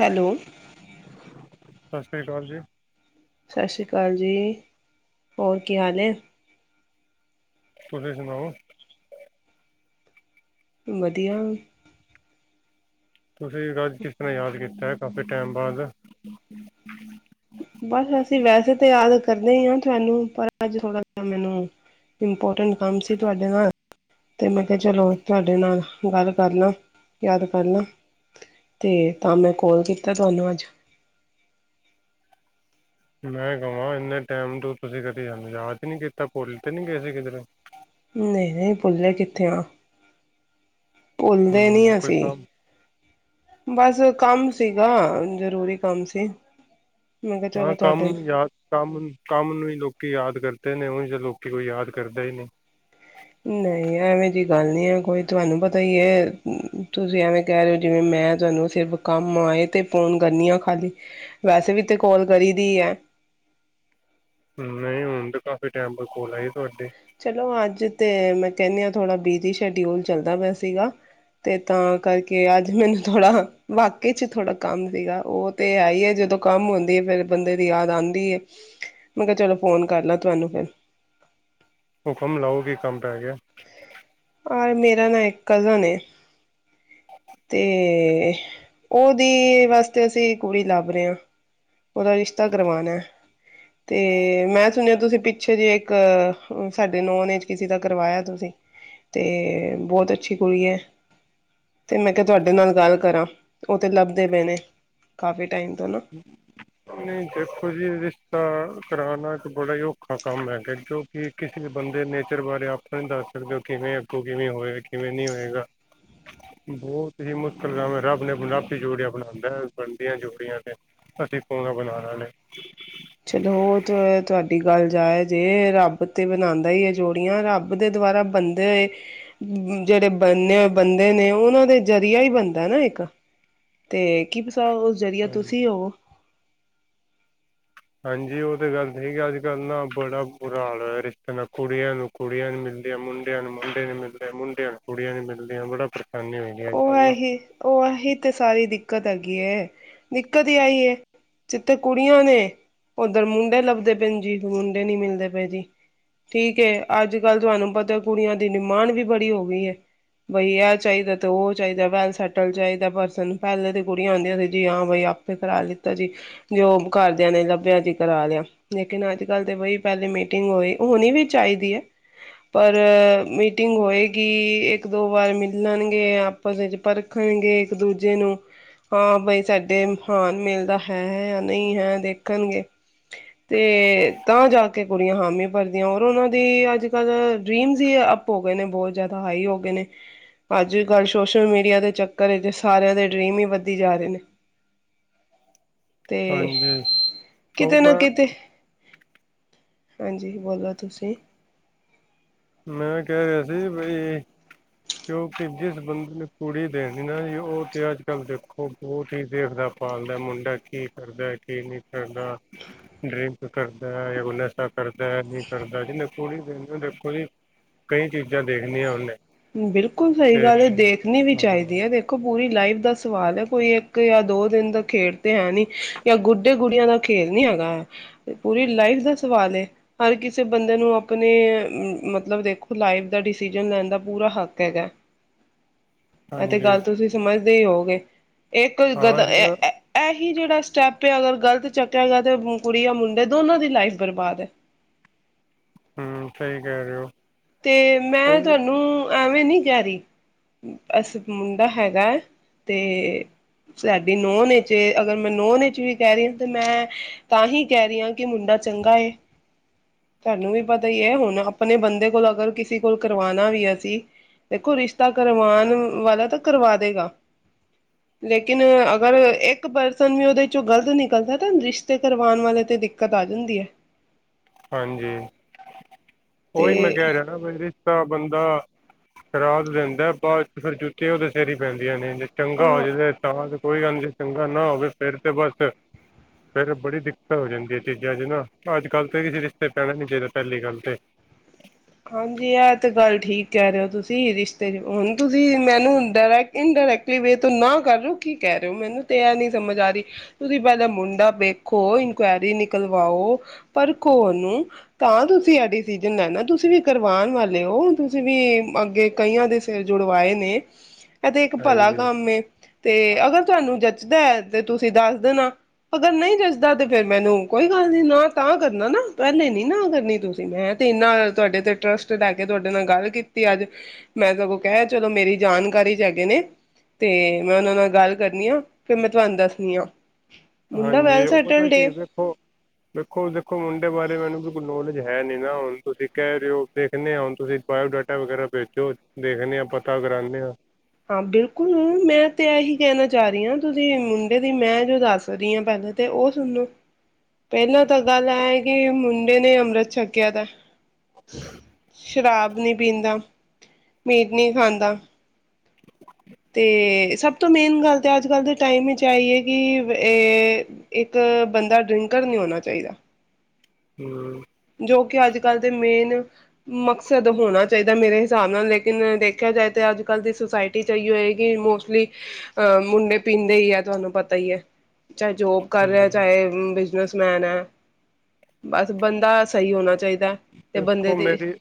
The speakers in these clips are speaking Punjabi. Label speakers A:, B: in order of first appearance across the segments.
A: ਹੈਲੋ
B: ਸਤਿ ਸ੍ਰੀ ਅਕਾਲ ਜੀ।
A: ਸਤਿ ਸ੍ਰੀ ਅਕਾਲ ਜੀ ਹੋਰ ਕੀ ਹਾਲ ਏ।
B: ਤੁਸੀਂ ਸੁਣਾਓ।
A: ਵਧੀਆ।
B: ਤੁਸੀਂ ਅੱਜ ਕਿਸ ਤਰ੍ਹਾਂ ਯਾਦ ਕੀਤਾ। ਕਾਫੀ ਟਾਈਮ ਬਾਅਦ।
A: ਬਸ ਅਸੀਂ ਵੈਸੇ ਤਾਂ ਯਾਦ ਕਰਦੇ ਹੀ ਹਾਂ ਤੁਹਾਨੂੰ ਪਰ ਅੱਜ ਥੋੜ੍ਹਾ ਜਿਹਾ ਮੈਨੂੰ, ਇੰਪੋਰਟੈਂਟ ਕੰਮ ਸੀ ਤੁਹਾਡੇ ਨਾਲ। ਤੇ ਮੈਂ ਕਿਹਾ ਚਲੋ ਤੁਹਾਡੇ ਨਾਲ ਗੱਲ ਕਰ ਲਾਂ, ਯਾਦ ਕਰ ਲ ਤੇ ਤਾਂ ਮੈਂ ਕੋਲ ਕੀਤਾ ਤੁਹਾਨੂੰ ਅੱਜ।
B: ਮੈਂ ਕਵਾਂ ਇੰਨੇ ਟਾਈਮ ਤੋਂ ਤੁਸੀਂ ਕਦੇ ਸਾਨੂੰ ਯਾਦ ਹੀ ਨਹੀਂ ਕੀਤਾ ਭੁੱਲ ਤਾਂ ਨੀ ਗਏ ਸੀ ਕਿਧਰੇ।
A: ਨਹੀਂ-ਨਹੀਂ ਭੁੱਲੇ ਕਿੱਥੇ ਆ। ਭੁੱਲਦੇ ਨੀ
B: ਹੂੰ ਕੋਈ
A: ਅਸੀਂ,
B: ਕੰਮ
A: ਬਸ ਕੰਮ ਸੀਗਾ ਜਰੂਰੀ ਕੰਮ ਸੀ। ਮੈਂ ਕਿਹਾ ਚਲੋ
B: ਹਾਂ ਕੰਮ
A: ਤੁਹਾਡੇ
B: ਨੂੰ ਯਾਦ ਕੰਮ ਕੰਮ ਨੂੰ ਹੀ ਲੋਕੀ ਯਾਦ ਕਰ ਦੇ ਨੇ ਉਂਝ ਤਾਂ ਲੋਕੀ ਕੋਈ ਯਾਦ ਕਰਦਾ ਹੀ ਨੀ।
A: ਨਹੀਂ ਐਵੇਂ ਜਿਹੀ ਗੱਲ ਨੀ ਹੈ ਕੋਈ ਤੁਹਾਨੂੰ ਪਤਾ ਹੀ ਹੈ ਤੁਸੀਂ ਐਵੇਂ ਕਹਿ ਰਹੇ ਹੋ ਜਿਵੇਂ ਮੈਂ ਤੁਹਾਨੂੰ ਸਿਰਫ ਕੰਮ ਆਏ ਤੇ ਫੋਨ ਕਰਨੀ ਆ ਖਾਲੀ, ਵੈਸੇ ਵੀ ਤੇ ਕਾਲ ਕਰੀ ਦੀ ਏ।
B: ਨਹੀਂ ਹੁਣ ਤੇ ਕਾਫੀ ਟਾਈਮ ਬਾਅਦ ਕੋਲ ਆਈ ਤੁਹਾਡੀ
A: ਚਲੋ ਅੱਜ ਤੇ ਮੈਂ ਕਹਿੰਨੇ ਆ ਥੋੜਾ ਬਿਜੀ ਸ਼ਡਿਊਲ ਚੱਲਦਾ ਪਿਆ ਸੀਗਾ, ਤੇ ਤਾਂ ਕਰਕੇ ਅੱਜ ਮੈਨੂੰ ਥੋੜ੍ਹਾ ਵਾਕਈ 'ਚ ਥੋੜ੍ਹਾ ਕੰਮ ਸੀਗਾ ਉਹ ਤੇ ਹੈ ਹੀ ਆ ਜਦੋਂ ਕੰਮ ਹੁੰਦੀ ਹੈ ਫਿਰ ਬੰਦੇ ਦੀ ਯਾਦ ਆਂਦੀ ਹੈ ਮੈਂ ਕਿਹਾ ਚਲੋ ਫੋਨ ਕਰ ਲੈ ਤੁਹਾਨੂੰ ਫਿਰ।
B: ਹੁਕਮ ਲਾਓ ਕੀ ਕੰਮ ਪੈ ਗਿਆ।
A: ਮੇਰਾ ਨਾਮ ਇੱਕ ਕਜ਼ਨ ਏ ਤੇ ਉਹਦੀ ਵਾਸਤੇ ਅਸੀਂ ਕੁੜੀ ਲੱਭ ਰਹੇ ਹਾਂ। ਉਹਦਾ ਰਿਸ਼ਤਾ ਕਰਵਾਣਾ ਤੇ ਮੈਂ ਸੁਣਿਆ ਤੁਸੀਂ ਪਿੱਛੇ ਜੇਹੇ ਇੱਕ ਸਾਡੇ ਨੋਨ ਏਜ ਕਿਸੀ ਦਾ ਕਰਵਾਇਆ ਤੁਸੀਂ, ਤੇ ਬਹੁਤ ਅੱਛੀ ਕੁੜੀ ਏ। ਤੇ ਮੈਂ ਕਿਹਾ ਤੁਹਾਡੇ ਨਾਲ ਗੱਲ ਕਰਾਂ ਉਹ ਤੇ ਲੱਭਦੇ ਪਏ ਨੇ, ਕਾਫੀ। ਟਾਈਮ ਤੋਂ ਨਾ
B: ਨਹੀਂ ਦੇਖੋ ਜੀ ਰਿਸ਼ਤਾ ਕਰਾਣਾ ਬੜਾ ਹੀ ਔਖਾ ਕੰਮ ਹੈਗਾ ਜੋ ਕਿ ਕਿਸੇ ਵੀ ਬੰਦੇ ਨੇਚਰ ਬਾਰੇ ਆਪਾਂ ਨੀ ਦੱਸ ਸਕਦੇ ਉਹ ਕਿਵੇਂ ਅੱਗੋਂ ਕਿਵੇਂ ਹੋਏਗਾ ਕਿਵੇਂ ਨਹੀਂ ਹੋਏਗਾ। ਬਹੁਤ ਹੀ ਮੁਸ਼ਕਿਲ ਕੰਮ ਹੈ ਰੱਬ ਨੇ ਰੱਬ ਹੀ ਜੋੜੀਆਂ ਬਣਾਦਾ ਬਣਦੀਆਂ ਜੋੜੀਆਂ ਤੇ। ਅਸੀਂ ਕੌਣ ਆ ਬਣਾਣ ਆਲੇ।
A: ਜਾਇਜ ਜੇ ਰੱਬ ਤੇ ਬਣਾਦਾ ਹੀ ਏ ਜੋੜੀਆਂ ਰੱਬ ਦੇ ਦੁਆਰਾ ਬੰਦੇ, ਜਿਹੜੇ ਬੰਨੇ ਹੋਏ ਬੰਦੇ ਨੇ ਉਹਨਾਂ ਦੇ ਜ਼ਰੀਆ ਹੀ ਬਣਦਾ ਨਾ ਇੱਕ। ਤੇ ਕੀ ਪਤਾ ਉਸ ਜ਼ਰੀਆ
B: ਹਾਂਜੀ
A: ਤੁਸੀਂ ਹੋਵੋ।
B: ਹਾਂਜੀ ਉਹ ਤੇ ਗੱਲ ਠੀਕ ਅੱਜਕੱਲ ਨਾ ਬੜਾ ਬੁਰਾ ਹਾਲ ਹੋਇਆ ਰਿਸ਼ਤੇ ਨਾ ਕੁੜੀਆਂ ਨੂੰ ਕੁੜੀਆਂ ਨੀ ਮਿਲਦੀਆਂ ਮੁੰਡਿਆਂ ਨੂੰ ਮੁੰਡੇ ਨੀ ਮਿਲਦੇ ਮੁੰਡਿਆਂ ਨੂੰ ਕੁੜੀਆਂ ਨੀ ਮਿਲਦੀਆਂ ਬੜਾ ਪਰੇਸ਼ਾਨੀ ਹੋਈ ਦੀ ਅੱਜ
A: ਉਹ
B: ਕੱਲ੍ਹ
A: ਏ
B: ਨਾ
A: ਹੀ ਉਹ ਐ ਹੀ ਤੇ ਸਾਰੀ ਦਿੱਕਤ ਹੈਗੀ ਹੈ ਦਿੱਕਤ ਹੀ ਆਈ ਹੈ। ਜਿੱਥੇ ਕੁੜੀਆਂ ਨੇ ਉਧਰ ਮੁੰਡੇ ਲੱਭਦੇ ਪਏ ਜੀ ਮੁੰਡੇ ਨੀ ਮਿਲਦੇ ਪਏ ਜੀ, ਠੀਕ ਹੈ ਅੱਜਕੱਲ ਤੁਹਾਨੂੰ ਪਤਾ ਕੁੜੀਆਂ ਦੀ ਡਿਮਾਂਡ ਵੀ ਬੜੀ ਹੋ ਗਈ ਏ ਬਈ ਆ ਚਾਹੀਦਾ ਉਹ ਚਾਹੀਦਾ ਵੈਲ ਸੈਟਲ ਚਾਹੀਦਾ ਪਰਸਨ ਪਹਿਲੇ ਤਾਂ ਕੁੜੀਆਂ ਹੁੰਦੀਆ ਸੀ ਜੀ ਹਾਂ ਬਾਈ ਆਪੇ ਕਰਾ ਲਿੱਤਾ ਜੀ ਜੋ ਕਰਦਿਆਂ ਨੇ ਲੱਭਿਆ ਜੀ ਕਰਾ ਲਿਆ। ਲੇਕਿਨ ਅੱਜਕੱਲ ਤੇ ਬਈ ਪਹਿਲੇ ਮੀਟਿੰਗ ਹੋਏ ਹੋਈ ਹੋਣੀ ਵੀ ਚਾਹੀਦੀ ਹੈ ਪਰ ਮੀਟਿੰਗ ਹੋਏਗੀ ਇੱਕ-ਦੋ ਵਾਰ ਮਿਲਣ ਆਪਸ ਵਿੱਚ ਪਰਖਣਗੇ ਇੱਕ ਦੂਜੇ ਨੂੰ ਹਾਂ ਬਾਈ ਸਾਡੇ ਹਾਨ ਮਿਲਦਾ ਹੈ ਹੈ ਜਾਂ ਨਹੀਂ ਹੈ ਦੇਖਣਗੇ, ਤੇ ਤਾਂ ਜਾ ਕੇ ਕੁੜੀਆਂ ਹਾਮੀ ਭਰਦੀਆਂ ਔਰ ਉਹਨਾਂ ਦੀ ਅੱਜਕੱਲ੍ਹ ਡਰੀਮਸ ਹੀ ਅੱਪ ਹੋ ਗਏ ਨੇ ਬਹੁਤ ਜ਼ਿਆਦਾ ਹਾਈ ਹੋ ਗਏ ਨੇ। ਅੱਜਕੱਲ੍ਹ ਸੋਸ਼ਲ ਮੀਡੀਆ ਦੇ ਚੱਕਰ ਵਿੱਚ ਸਾਰਿਆਂ ਦੇ ਡਰੀਮ ਹੀ ਵਧੀ ਜਾ ਰਹੇ ਨੇ। ਤੇ,
B: ਹਾਂਜੀ ਉਹ
A: ਕਿਤੇ ਨਾ
B: ਮੈਂ
A: ਕਿਤੇ ਹਾਂਜੀ ਬੋਲੋ ਤੁਸੀਂ
B: ਮੈਂ ਕਹਿ ਰਿਹਾ ਸੀ ਬਈ ਕਿਉਂਕਿ ਜਿਸ ਬੰਦੇ ਨੂੰ ਕੁੜੀ ਦੇਖਦੀ ਨਾ ਜੀ ਉਹ ਤੇ ਅੱਜ ਕੱਲ੍ਹ ਦੇਖੋ ਬਹੁਤ ਹੀ ਦੇਖਦਾ ਭਾਲਦਾ ਮੁੰਡਾ ਕੀ ਕਰਦਾ ਕੀ ਨਹੀਂ ਕਰਦਾ ਡਰਿੰਕ ਕਰਦਾ ਕਰਦਾ ਨੀ ਕਰਦਾ ਥੋੜੇ ਦਿਨ ਦੇਖੋ ਜੀ ਕਈ ਚੀਜ਼ਾਂ ਦੇਖਣੀਆਂ ਉਹਨੇ
A: ਬਿਲਕੁਲ ਸਹੀ
B: ਤੇ
A: ਗੱਲ ਹੈ ਦੇਖਣੀ ਵੀ
B: ਹਾਂ
A: ਚਾਹੀਦੀਆ ਦੇਖੋ ਪੂਰੀ ਲਾਈਫ ਦਾ ਸਵਾਲ ਹੈ ਕੋਈ ਇੱਕ ਜਾਂ ਦੋ ਦਿਨ ਦਾ ਖੇਡ ਤਾਂ ਹੈ ਨਹੀਂ ਜਾਂ ਗੁੱਡੇ ਗੁੜੀਆਂ ਦਾ ਖੇਡ ਨੀ ਹੈਗਾ ਹੈ ਪੂਰੀ ਲਾਈਫ ਦਾ ਸਵਾਲ ਹੈ ਹਰ ਕਿਸੇ ਬੰਦੇ ਨੂੰ ਆਪਣੇ ਮਤਲਬ ਦੇਖੋ ਲਾਈਫ ਦਾ ਡਿਸੀਜ਼ਨ ਲੈਣ ਦਾ ਪੂਰਾ ਹੱਕ ਹੈਗਾ ਇਹ ਤੇ
B: ਹਾਂਜੀ
A: ਗੱਲ ਤੁਸੀਂ ਸਮਝ ਹੋ ਗਏ ਇੱਕ
B: ਹਾਂ ਜਿਹੜਾ
A: ਕਿਹੜਾ ਸਟੈਪ ਹੈ ਅਗਰ ਗ਼ਲਤ ਚੱਕਿਆ ਗਿਆ ਤਾਂ ਕੁੜੀ ਜਾਂ ਮੁੰਡੇ ਦੋਨੋੋਂ ਦੀ ਲਾਈਫ ਬਰਬਾਦ ਹੈ
B: ਹਮ ਸਹੀ ਕਹਿ ਰਹੇ ਹੋ
A: ਤੇ ਮੈਂ
B: ਉਹ
A: ਤੁਹਾਨੂੰ ਐਵੇਂ ਨੀ ਕਹਿ ਰਹੀ ਬਸ ਮੁੰਡਾ ਹੈਗਾ ਹੈ ਤੇ ਸਾਡੀ ਨੂੰਹ ਨੇ ਅਗਰ ਮੈਂ ਨਾਊਨ ਨੇ ਵੀ ਕਹਿ ਰਹੀ ਹਾਂ ਤੇ ਮੈਂ ਤਾਂ ਹੀ ਕਹਿ ਰਹੀ ਹਾਂ ਕਿ ਮੁੰਡਾ ਚੰਗਾ ਤੁਹਾਨੂੰ ਵੀ ਪਤਾ ਹੀ ਹੈ ਹੁਣ ਆਪਣੇ ਬੰਦੇ ਕੋਲ ਅਗਰ ਕਿਸੇ ਕੋਲ ਕਰਵਾਣਾ ਵੀ ਅਸੀਂ ਦੇਖੋ ਰਿਸ਼ਤਾ ਕਰਵਾਉਣ ਵਾਲਾ ਤਾਂ ਕਰਵਾ ਦੇਗਾ ਲੇਕਿਨ ਅਗਰ ਇੱਕ ਪਰਸਨ ਵੀ ਉਹਦੇ ਚੋਂ ਗ਼ਲਤ ਨਿਕਲਦਾ ਤਾਂ ਰਿਸ਼ਤੇ ਕਰਵਾਉਣ ਵਾਲੇ ਤੇ ਦਿੱਕਤ ਆ ਜਾਂਦੀ ਹੈ
B: ਹਾਂਜੀ ਉਹੀ ਮੈਂ
A: ਤੇ
B: ਕਹਿ ਰਿਹਾ ਨਾ ਇਹਦੇ ਤਾਂ ਬੰਦਾ ਕਰਾ ਤਾਂ ਦਿੰਦਾ ਬਾਅਦ ਚ ਫਿਰ ਜੁੱਤੀਆ ਉਹਦੇ ਸਿਰ ਹੀ ਪੈਂਦੀਆਂ ਨੇ ਚੰਗਾ ਹੋ
A: ਹਾਂ
B: ਜਾਵੇ ਤਾਂ ਕੋਈ ਗੱਲ ਜੀ ਚੰਗਾ ਨਾ ਹੋਵੇ ਫੇਰ ਤੇ ਬਸ ਫੇਰ ਬੜੀ ਦਿੱਕਤ ਹੋ ਜਾਂਦੀ ਹੈ ਚੀਜ਼ਾਂ ਚ ਨਾ ਅੱਜ ਕੱਲ ਕਈ ਰਿਸ਼ਤੇ ਚ ਪੈਣਾ ਨੀ ਚਾਹੀਦਾ ਪਹਿਲੀ ਗੱਲ ਤੇ
A: ਹਾਂਜੀ ਇਹ ਤੇ ਗੱਲ ਠੀਕ ਕਹਿ ਰਹੇ ਹੋ ਤੁਸੀਂ ਰਿਸ਼ਤੇ ਚ ਹੁਣ ਤੁਸੀਂ ਮੈਨੂੰ ਡਾਇਰੈਕ ਇਨਡਾਇਰੈਕਟਲੀ ਵੇ ਤੋਂ ਨਾ ਕਰ ਰੋ ਕੀ ਕਹਿ ਰਹੇ ਹੋ ਮੈਨੂੰ ਤੇ ਇਹ ਨੀ ਸਮਝ ਆ ਰਹੀ ਤੁਸੀਂ ਪਹਿਲਾਂ ਮੁੰਡਾ ਵੇਖੋ ਇਨਕੁਆਇਰੀ ਨਿਕਲਵਾਓ ਪਰਖੋ ਉਹਨੂੰ ਤਾਂ ਤੁਸੀਂ ਇਹ ਡਿਸੀਜ਼ਨ ਲੈ ਨਾ ਤੁਸੀਂ ਵੀ ਕਰਵਾਉਣ ਵਾਲੇ ਹੋ ਤੁਸੀਂ ਵੀ ਅੱਗੇ ਕਈਆਂ ਦੇ ਸਿਰ ਜੁੜਵਾਏ ਨੇ ਇਹ ਤੇ ਇੱਕ ਭਲਾ
B: ਹਾਂਜੀ
A: ਕੰਮ ਤੇ ਅਗਰ ਤੁਹਾਨੂੰ ਜਚਦਾ ਤੇ ਤੁਸੀਂ ਦੱਸ ਦੇਣਾ ਅਗਰ ਨਹੀਂ ਜਚਦਾ ਤੇ ਫਿਰ ਮੈਨੂੰ ਕੋਈ ਗੱਲ ਨੀ ਨਾ ਤਾਂ ਕਰਨਾ ਨਾ ਪਹਿਲੇ ਨੀ ਨਾ ਕਰਨੀ ਤੁਸੀਂ ਮੈਂ ਤੇ ਇੰਨਾ ਤੁਹਾਡੇ ਤੇ ਟਰੱਸਟ ਲੈ ਕੇ ਤੁਹਾਡੇ ਨਾਲ ਗੱਲ ਕੀਤੀ ਅੱਜ ਮੈਂ ਸਗੋਂ ਕਹਿ ਚਲੋ ਮੇਰੀ ਜਾਣਕਾਰੀ ਚ ਹੈਗੇ ਨੇ ਤੇ ਮੈਂ ਉਹਨਾਂ ਨਾਲ ਗੱਲ ਕਰਨੀ ਆ ਫਿਰ ਮੈਂ ਤੁਹਾਨੂੰ ਦੱਸਣੀ ਆ ਮੁੰਡਾ ਵੈਲ
B: ਹਾਂਜੀ ਉਹ ਪਤਾ
A: ਸੈਟਲਡ ਏ
B: ਕੀ ਦੇਖੋ ਦੇੇਖੋ ਦੇਖੋ ਮੁੰਡੇ ਬਾਰੇ ਮੈਨੂੰ ਵੀ ਕੋਈ ਨੌਲੇਜ ਹੈ ਨੀ ਨਾ ਹੁਣ ਤੁਸੀਂ ਕਹਿ ਰਹੇ ਹੋ ਦੇਖਦੇ ਹੁਣ ਤੁਸੀਂ ਬਾਇਓਡਾਟਾ ਵਗੈਰਾ ਭੇਜੋ ਦੇਖਦੇ ਆ ਪਤਾ ਕਰਾਉਂਦੇ ਆ
A: ਹਾਂ ਬਿਲਕੁਲ ਮੈਂ ਤੇ ਇਹੀ ਕਹਿਣਾ ਚਾਹ ਰਹੀ ਹਾਂ ਤੁਸੀਂ ਮੁੰਡੇ ਦੀ ਮੈਂ ਜੋ ਦੱਸ ਰਹੀ ਹਾਂ ਪਹਿਲਾਂ ਤੇ ਉਹ ਸੁਣੋ ਪਹਿਲਾਂ ਤਾਂ ਗੱਲ ਹੈ ਹੈ ਕਿ ਮੁੰਡੇ ਨੇ ਅੰਮ੍ਰਿਤ ਛਕਿਆ ਦਾ ਸ਼ਰਾਬ ਨੀ ਪੀਂਦਾ ਮੀਟ ਨਹੀਂ ਖਾਂਦਾ ਤੇ ਸਭ ਤੋਂ ਮੇਨ ਗੱਲ ਤਾਂ ਅੱਜ ਕੱਲ੍ਹ ਦੇ ਟਾਈਮ ਵਿੱਚ ਆਈ ਹੈ ਕਿ ਇੱਕ ਬੰਦਾ ਡ੍ਰਿੰਕਰ ਨਹੀਂ ਹੋਣਾ ਚਾਹੀਦਾ
B: ਹਮ
A: ਜੋ ਕਿ ਅੱਜ ਕੱਲ ਦੇ ਮੇਨ ਮਕਸਦ ਹੋਣਾ ਚਾਹੀਦਾ ਮੇਰੇ ਹਿਸਾਬ ਨਾਲ ਲੇਕਿਨ ਦੇਖਿਆ ਜਾਏ ਤਾਂ ਅੱਜ ਕੱਲ ਦੀ ਸੁਸਾਇਟੀ ਚ ਹੈ ਕਿ ਮੋਸਟਲੀ ਅਹ ਮੁੰਡੇ ਪੀਂਦੇ ਹੀ ਹੈ ਤੁਹਾਨੂੰ ਪਤਾ ਹੀ ਹੈ ਚਾਹੇ ਜੋਬ ਕਰ ਰਿਹਾ
B: ਹੂੰ
A: ਚਾਹੇ ਬਿਜਨਸ ਹੈ ਬਸ ਬੰਦਾ ਸਹੀ ਹੋਣਾ ਚਾਹੀਦਾ ਤੇ ਬੰਦੇ
B: ਦੇਖੋ
A: ਦੀ
B: ਮੇਰੀ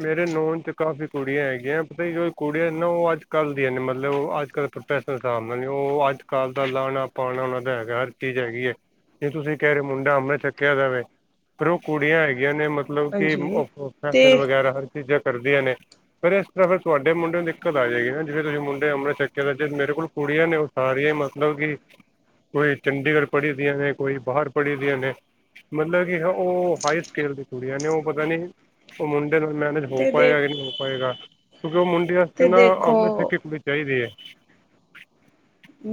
B: ਮੇਰੇ ਨੋਜ 'ਚ ਕਾਫੀ ਕੁੜੀਆਂ ਹੈਗੀਆਂ ਪਤਾ ਜੋ ਕੁੜੀਆਂ ਨੇ ਨਾ ਉਹ ਅੱਜ ਕੱਲ੍ਹ ਦੀਆਂ ਨੇ ਮਤਲਬ ਅੱਜ ਕੱਲ੍ਹ ਪ੍ਰੋਫੈਸ਼ਨ [unintelligible] ਹਿਸਬ ਮਤਲਬ ਉਹ ਅੱਜ ਕੱਲ੍ਹ ਦਾ ਲਾਉਣਾ ਪਾਉਣਾ ਉਹਨਾਂ ਦਾ ਹੈਗਾ ਹਰ ਚੀਜ਼ ਹੈਗੀ ਹੈ ਜੇ ਤੁਸੀਂ ਕਹਿ ਰਹੇ ਹੋ ਮੁੰਡਾ ਅੰਮ੍ਰਿਤ ਛੱਕਿਆ ਦਾ ਵੇ ਕੁੜੀਆਂ ਹੈਗੀਆਂ ਮਤਲਬ
A: ਹਾਂਜੀ ਤੇ
B: ਫੈਸ਼ਨ ਵਗੈਰਾ ਹਰ ਚੀਜ਼ ਕਰਦੀਆਂ ਨੇ ਪਰ ਇਸ ਤਰ੍ਹਾਂ ਫਿਰ ਤੁਹਾਡੇ ਮੁੰਡੇ ਨੂੰ ਦਿੱਕਤ ਆ ਜਾਏਗੀ ਨਾ ਜਿਵੇਂ ਤੁਸੀਂ ਮੁੰਡੇ ਅੰਮ੍ਰਿਤ ਛੱਕਿਆ ਜ ਮੇਰੇ ਕੋਲ ਕੁੜੀਆਂ ਨੇ ਉਹ ਸਾਰੀਆਂ ਹੀ ਮਤਲਬ ਕਿ ਕੋਈ ਚੰਡੀਗੜ੍ਹ ਪੜ੍ਹੀ ਦੀਆਂ ਨੇ ਕੋਈ ਬਾਹਰ ਪੜ੍ਹੀ ਦੀਆਂ ਨੇ ਮਤਲਬ ਕਿ ਉਹ ਹਾਈ ਸਕੇਲ ਦੀ ਕੁੜੀਆਂ ਨੇ ਉਹ ਪਤਾ ਨੀ ਉਹ ਮਨ ਫੇਰ ਮੈਨੇਜ ਹੋ
A: ਤੇ ਦੇ
B: ਪਾਏਗਾ ਕਿ ਨਹੀਂ ਹੋ ਪਾਏਗਾ। ਕਿਉਂਕਿ ਉਹ ਮੁੰਡੇ ਅੱਜ ਕੱਲ
A: ਤੇ
B: ਨਾ
A: ਦੇਖੋ
B: [unintelligible] ਕੁੜੀ ਚਾਹੀਦੇ ਹੈ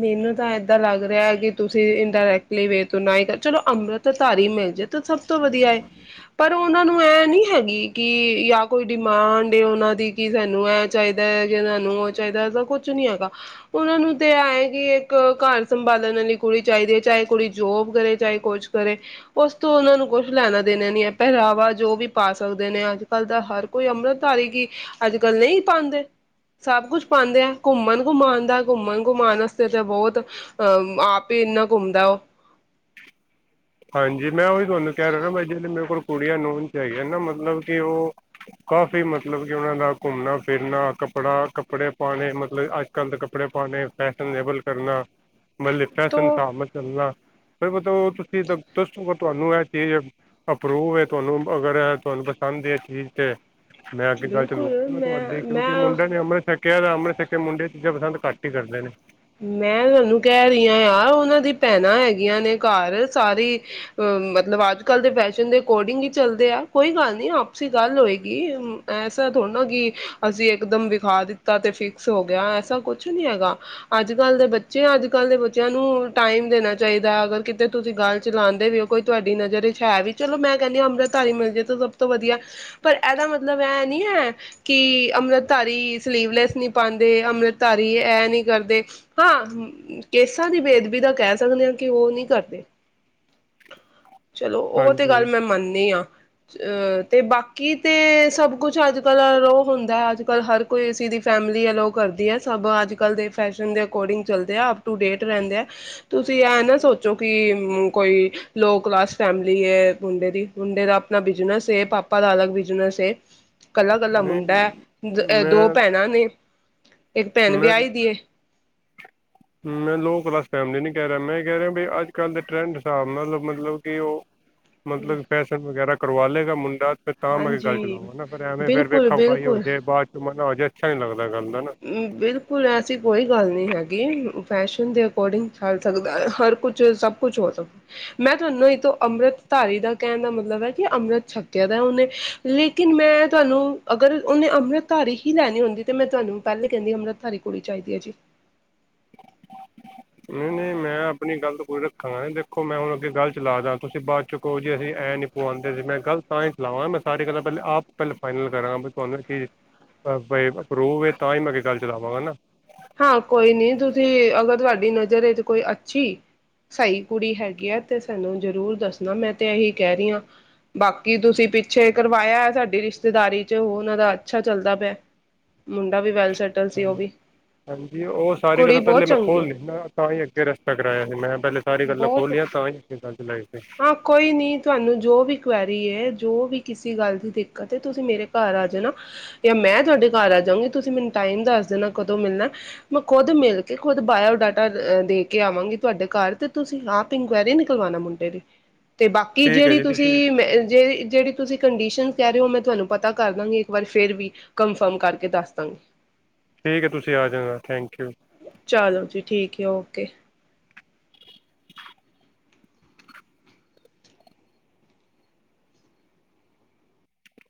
A: ਮੈਨੂੰ ਤਾਂ ਏਦਾਂ ਲੱਗ ਰਿਹਾ ਕਿ ਤੁਸੀਂ ਇੰਡਾਇਰੈਕਟਲੀ ਵੇ ਤੋਂ ਨਾ ਹੀ ਕਰ ਚਲੋ ਅੰਮ੍ਰਿਤ ਧਾਰੀ ਮਿਲ ਜੇ ਤਾਂ ਸਭ ਤੋਂ ਵਧੀਆ ਪਰ ਉਹਨਾਂ ਨੂੰ ਇਹ ਨੀ ਹੈਗੀ ਕਿ ਜਾਂ ਕੋਈ ਡਿਮਾਂਡ ਉਹਨਾਂ ਦੀ ਕਿ ਸਾਨੂੰ ਇਹ ਚਾਹੀਦਾ ਹੈ ਕਿ ਸਾਨੂੰ ਉਹ ਚਾਹੀਦਾ ਤਾਂ ਕੁਛ ਨੀ ਹੈਗਾ ਉਹਨਾਂ ਨੂੰ ਤੇ ਐਏ ਕਿ ਇੱਕ ਘਰ ਸੰਭਾਲਣ ਵਾਲੀ ਕੁੜੀ ਚਾਹੀਦੀ ਹੈ ਚਾਹੇ ਕੁੜੀ ਜੋਬ ਕਰੇ ਚਾਹੇ ਕੁੱਛ ਕਰੇ ਉਸ ਤੋਂ ਉਹਨਾਂ ਨੂੰ ਕੁਛ ਲੈਣਾ ਦੇਣਾ ਨੀ ਹੈ ਪਹਿਰਾਵਾ ਜੋ ਵੀ ਪਾ ਸਕਦੇ ਨੇ ਅੱਜ ਕੱਲ ਤਾਂ ਹਰ ਕੋਈ ਅੰਮ੍ਰਿਤਧਾਰੀ ਕਿ ਅੱਜ ਕੱਲ ਨਹੀਂ ਪਾਉਂਦੇ ਸਭ ਕੁੱਛ ਪਾਉਂਦੇ ਆ ਘੁੰਮਣ ਘੁੰਮਾਉਣ ਦਾ ਘੁੰਮਣ ਘੁੰਮਾਣ ਵਾਸਤੇ ਤਾਂ ਬਹੁਤ ਅਹ ਆਪ ਹੀ ਇੰਨਾ ਘੁੰਮਦਾ ਉਹ
B: ਹਾਂਜੀ ਮੈਂ ਉਹੀ ਤੁਹਾਨੂੰ ਕਹਿ ਰਿਹਾ ਬ ਜਿਹੜੇ ਮੇਰੇ ਕੋਲ ਕੁੜੀਆਂ ਨੂੰ ਹਨ 'ਚ ਹੈਗੀਆਂ ਨਾ ਮਤਲਬ ਕਿ ਉਹ ਕਾਫ਼ੀ ਮਤਲਬ ਕਿ ਉਹਨਾਂ ਦਾ ਘੁੰਮਣਾ ਫਿਰਨਾ ਕੱਪੜਾ ਕੱਪੜੇ ਪਾਉਣੇ ਮਤਲਬ ਅੱਜ ਕੱਲ੍ਹ ਦੇ ਕੱਪੜੇ ਪਾਉਣੇ ਫੈਸ਼ਨਬਲ ਕਰਨਾ। ਮ ਲਿਤਾਸਨ
A: ਤੋਂ
B: ਸ਼ਮਤ [unintelligible] ਚੱਲਣਾ ਫਿਰ ਬ [unintelligible] ਤੁਹਾਨੂੰ ਇਹ ਚੀਜ਼ ਅਪਰੂਵ ਹੈ ਤੁਹਾਨੂੰ ਅਗਰ ਇਹ ਤੁਹਾਨੂੰ ਪਸੰਦ ਹੈ ਇਹ ਚੀਜ਼ ਤੇ ਮੈਂ ਅੱਗੇ ਗੱਲ
A: ਬਿਲਕੁਲ
B: ਚਲਾਉ
A: ਮੈਂ
B: ਤੁਹਾਡੀ ਕਿਉਂਕਿ
A: ਮੈਂ
B: ਮੁੰਡੇ ਨੇ ਅੰਮ੍ਰਿਤ ਛੱਕ ਕਹਿ ਰਿਹਾ ਅੰਮ੍ਰਿਤ ਛੱਕੇ ਮੁੰਡੇ ਚੀਜਾ ਪਸੰਦ ਘੱਟ ਹੀ ਕਰਦੇ ਨੇ।
A: ਮੈਂ ਤੁਾਨੂੰ ਕਹਿ ਰਹੀ ਹ ਆ ਉਹਨਾਂ ਦੀ ਭੈਣਾਂ ਹੈਗੀਆਂ ਨੇ ਘਰ ਸਾਰੀ ਅ ਮਤਲਬ ਅੱਜ ਕੱਲ ਦੇ ਫੈਸ਼ਨ ਦੇ ਅਕੋਰਡਿੰਗ ਹੀ ਚੱਲਦੇ ਆ ਕੋਈ ਗੱਲ ਨੀ ਆਪਸੀ ਗੱਲ ਹੋਏਗੀ ਐਸਾ ਥੋੜ੍ਹਾ ਨਾ ਕਿ ਅਸੀਂ ਇਕ ਦਮ ਵਿਖਾ ਦਿੱਤਾ ਤੇ ਫਿਕਸ ਹੋ ਗਿਆ ਐਸਾ ਕੁਛ ਨੀ ਹੈਗਾ। ਅੱਜ ਕੱਲ੍ਹ ਦੇ ਬੱਚੇ ਅੱਜ ਕੱਲ੍ਹ ਦੇ ਬੱਚਿਆਂ ਨੂੰ ਟਾਈਮ ਦੇਣਾ ਚਾਹੀਦਾ ਅਗਰ ਕਿਤੇ ਤੁਸੀਂ ਗੱਲ ਚਲਾਉਂਦੇ ਵੀ ਹੋ ਕੋਈ ਤੁਹਾਡੀ ਨਜ਼ਰ 'ਚ ਹੈ ਵੀ ਚਲੋ ਮੈਂ ਕਹਿੰਦੀ ਹਾਂ ਅੰਮ੍ਰਿਤਧਾਰੀ ਮਿਲਜ਼ੇ ਤੋਂ ਸਭ ਤੋਂ ਵਧੀਆ ਪਰ ਇਹਦਾ ਮਤਲਬ ਇਹ ਨਹੀਂ ਹੈ ਕਿ ਅੰਮ੍ਰਿਤਧਾਰੀ ਸਲੀਵਲੈਸ ਨਹੀਂ ਪਾਉਂਦੇ ਅੰਮ੍ਰਿਤਧਾਰੀ ਇਹ ਨਹੀਂ ਕਰਦੇ। ਹਾਂ ਕੇਸਾਂ ਦੀ ਬੇਦਬੀ ਦਾ ਕਹਿ ਸਕਦੇ ਹਾਂ ਕਿ ਉਹ ਨਹੀਂ ਕਰਦੇ। ਚਲੋ ਉਹ ਤੇ ਗੱਲ
B: ਹਾਂਜੀ
A: ਮੈਂ ਮੰਨਦੀ ਆਂ। ਅਹ ਤੇ ਬਾਕੀ ਤੇ ਸਭ ਕੁਛ ਅੱਜ ਕੱਲ ਅਲੋ ਹੁੰਦਾ ਅੱਜ ਕੱਲ ਹਰ ਕੋਈ ਅ ਦੀ ਫੈਮਿਲੀ ਅਲੋ ਕਰਦੀ ਹੈ ਸਭ ਅੱਜ ਕੱਲ ਦੇ ਫੈਸ਼ਨ ਮੁੰਡੇ ਅਕੋਰਡਿੰਗਅਿੰਗ ਚੱਲ ਦੇ ਐਪਟੂਡੇਟ ਰਹਿੰਦੇ ਆ ਤੁਸੀਂ ਇਹ ਨਾ ਸੋਚੋ ਕਿ ਕੋਈ ਲੋ ਕਲਾਸ ਫੈਮਲੀ ਏ ਮੁੰਡੇ ਦੀ, ਮੁੰਡੇ ਦਾ ਆਪਣਾ ਬਿਜਨੇਸ ਏ ਪਾਪਾ ਦਾ ਅਲੱਗ ਬਿਜਨੇਸ ਏ। ਇਕੱਲਾ ਇਕੱਲਾ
B: ਨਹੀਂ
A: ਮੁੰਡਾ ਐ। ਅ ਦੋ
B: ਮੈਂ
A: ਭੈਣਾਂ ਨੇ। ਇੱਕ ਭੈਣ
B: ਮੈਂ
A: ਵਿਆਹੀ ਦੀ ਏ।
B: ਮੈਂ ਲੋਅ ਕਲਾਸ ਫੈਮਿਲੀ ਨ ਕਹਿ ਰਿਹਾ ਮੈਂ ਕਹਿ ਰਿਹਾ ਵੀ ਅੱਜ ਕੱਲ੍ਹ ਦੇ ਟਰੈਂਡ ਹਿਸਾਬ ਨਾਲ ਮਤਲਬ ਕਿ ਉਹ
A: ਹੈ
B: ਮਤਲਬ ਫੈਸ਼ਨ ਵਗੈਰਾ ਕਰਵਾ ਲੇਗਾ ਮੁੰਡਾ ਫਿਰ ਤਾਂ ਮੈਂ ਗੱਲ
A: ਹਾਂਜੀ
B: ਚਲਾਵਾਂ ਨਾ ਫ ਐਵੇਂ ਫੇ
A: ਬਿਲਕੁਲ
B: ਵੇਖਾ ਖਾਈ ਹੋ
A: ਬਿਲਕੁਲ
B: ਜੋ ਬਾਅਦ 'ਚ ਮ ਨਾ ਹੋ ਜਾਵੇ ਸਰੀ ਲੱਦਾ [unintelligible]
A: ਬਿਲਕੁਲ ਐਸੀ ਕੋਈ ਗੱਲ ਨਹੀਂ ਹੈਗੀ। ਫੈਸ਼ਨ ਦੇ ਅਕੋਡਿੰਗ ਚੱਲ ਸਕਦਾ ਹਰ ਕੁਛ ਸਭ ਕੁਛ ਹੋ ਸਕਦਾ ਮੈਂ ਤੁਹਾਨੂੰ ਇਹ ਤੋਂ ਅੰਮ੍ਰਿਤਧਾਰੀ ਦਾ ਕਹਿਣ ਦਾ ਮਤਲਬ ਹੈ ਕਿ ਅੰਮ੍ਰਿਤ ਛਕਿਆ ਦਾ ਉਹਨੇ ਲੇਕਿਨ ਮੈਂ ਤੁਹਾਨੂੰ ਅਗਰ ਉਹਨੇ ਅੰਮ੍ਰਿਤਧਾਰੀ ਹੀ ਲੈਣੀ ਹੁੰਦੀ ਤਾਂ ਮੈਂ ਤੁਹਾਨੂੰ ਪਹਿਲੇ ਕਹਿੰਦੀ ਅੰਮ੍ਰਿਤਧਾਰੀ ਕੁੜੀ ਚਾਹੀਦੀ ਹੈ ਜੀ।
B: ਨਹੀਂ -ਨਹੀਂ ਮੈਂ ਆਪਣੀ ਗੱਲਤ ਕੋੂਰੀ ਰੱਖਾਂਗਾ ਦੇਖੋ ਮੈਂ ਹੁਣ ਅੱਗੇ ਗੱਲ ਚਲਾ ਦ ਤੁਸੀਂ ਬਾਅਦ ਚੋਂ ਕਹੋ ਜੀ ਅਸੀਂ ਐਂ ਨੀ ਪਆਉਂਦੇ ਸੀ ਮੈਂ ਗਲਤ ਤਾਂ ਹੀ ਚਲਾਵਾਂ ਮੈਂ ਸਾਰੀ ਗੱਲਾਂ ਪਹਿਲਾਂ ਆਪ ਪਹਿਲ ਫਾਈਨਲ ਕਰਾਂਗਾ ਵੀ ਤੁਹਾਨੂੰ ਚੀਜ਼ ਰੋਵੇ ਤਾਂ ਹੀ ਮੈਂ ਅਗੇ ਗੱਲ ਚ ਚਲਾਵਾਂਗਾ ਨਾ।
A: ਤੁਡੀ ਨਜ਼ਰ 'ਚ ਕੋਈ ਅੱਛੀ ਸਹੀ ਕੁੜੀ ਹੈਗੀ ਹੈ ਤੇ ਸਾਨੂੰ ਜ਼ਰੂਰ ਦੱਸਣਾ ਮੈਂ ਤੇ ਇਹੀ ਕਹਿ ਰਹੀ ਹਾਂ ਬਾਕੀ ਤੁਸੀਂ ਪਿੱਛੇ ਕਰਵਾਇਆ ਸਾਡੀ ਰਿਸ਼ਤੇਦਾਰੀ 'ਚ ਉਹ ਉਹਨਾਂ ਦਾ ਅੱਛਾ ਚੱਲਦਾ ਪਿਆ ਮੁੰਡਾ ਵੀ ਬੈਸਟ ਸੈਟਲ ਸੀ ਉਹ ਵੀ
B: ਤੇ ਉਹ ਸਾਰੀ
A: ਕੁੜੀ
B: ਗਲਾਂ ਪੈਲਾਂ
A: ਬਹੁਤ
B: ਮੈਂ
A: ਚੰਗੀ ਆ
B: ਖੋਲ ਲਿਤਾ, ਤਾਂ ਹੀ ਅੱਗੇ ਰੇਸ਼ਤਾ ਕਰਾਯਾ ਸੀ ਮੈਂ। ਸਾਰੀ ਗੱਲਾਂ
A: ਬੌਤ
B: ਖੋਲੀਆਂ ਤਾਂ ਹੀ ਅੱਗੇ ਗੱਲ ਚਲਾਈ ਸੀ
A: ਹਾਂ ਕੋਈ ਨੀ ਤੁਹਾਨੂੰ ਜੋ ਵੀ ਜੋ ਵੀ ਕਿਸੇ ਗੱਲ ਦੀ ਦਿੱਕਤ ਏ, ਤੁਸੀ ਮੇਰੇ ਘਰ ਆ ਜਾਨਾ। ਯਾ ਮੈਂ ਤੁਹਾਡੇ ਘਰ ਆ ਜਾਉਂਗੀ, ਤੁਸੀ ਮਿਨੂੰ ਟਾਈਮ ਦੱਸ ਦੇਨਾ ਕਦੋਂ ਮਿਲਨਾ, ਮੈਂ ਖੁੱਦ ਮਿਲ ਕੇ ਖੁੱਦ ਬਾਏਓ ਡਾਟਾ ਦੇ ਅ ਕੇ ਆਵਾਂਗੀ ਤੁਆਡੇ ਘਰ ਤੇ ਤੁਸੀਂ ਆਪ ਇੰਕੁਆਏਰੀ ਨਿਕਲਵਾਨਾ ਮੁੰਡੇ ਦੀ। ਤੇ ਬਾਕੀ
B: ਠੀਕ ਹੈ
A: ਜੇੜੀ
B: ਜੀ
A: ਤੁਸੀਂ ਮੈਂ ਅ ਜੇਹੀ ਜੇੜੀ ਤੁਸੀਂ ਕੰਡੀਸ਼ਨ ਕੈ ਰਏ ਓ ਮੈਂ ਤੁਹਾਨੂੰ ਪਤਾ ਕਰ ਦਾਂਗੀ ਇੱਕ ਵਾਰ ਫੇਰ ਵੀ ਕੰਨਫਮ ਕਰਕੇ ਦੱਸ ਦਾਂਗੀ।
B: ਠੀਕ ਏ, ਤੁਸੀਂ ਆ ਜਾਣਾ ਥੈਂਕ ਯੂ।
A: ਚਾਲੋ ਜੀ ਠੀਕ ਏ ਓਕੇ।
B: [inaudible]